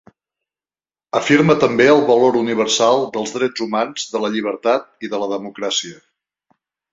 Afirma també el valor universal dels drets humans, de la llibertat i de la democràcia.